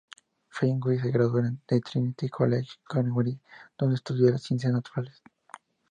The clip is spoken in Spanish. Fenwick se graduó en el Trinity College de Cambridge, donde estudió Ciencias Naturales.